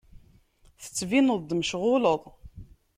Tettbineḍ-d mecɣuleḍ.